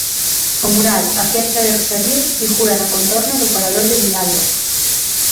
O mural 'A fiestra de Rosalía' figura na contorna do Parador de Vilalba.